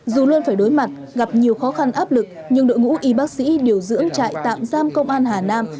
dù luôn phải đối mặt gặp nhiều khó khăn áp lực nhưng đội ngũ y bác sĩ điều dưỡng trại tạm giam công an hà nam